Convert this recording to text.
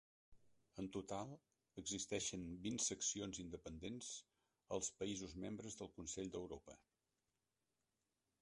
En total existeixen vint seccions independents als països membres del Consell d'Europa.